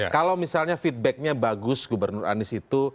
kalau misalnya feedbacknya bagus gubernur anies itu